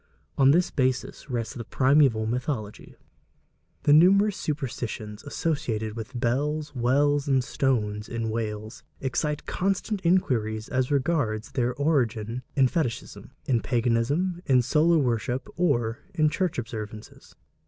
On this basis rests the primeval mythology. The numerous superstitions associated with bells, wells and stones in Wales, excite constant inquiries as regards their origin in fetichism, in paganism, in solar worship, or in church observances.